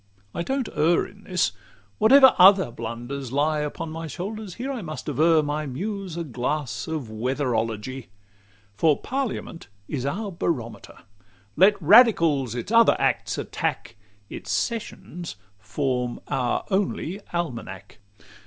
I don't err In this: whatever other blunders lie Upon my shoulders, here I must aver My Muse a glass of Weatherology; For parliament is our barometer: Let radicals its other acts attack, Its sessions form our only almanack.